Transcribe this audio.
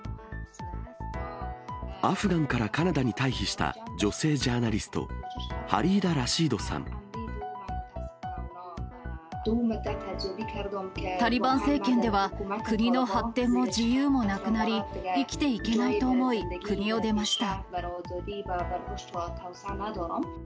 アフガンからカナダに退避した女性ジャーナリスト、ハリーダ・ラタリバン政権では、国の発展も自由もなくなり、生きていけないと思い、国を出ました。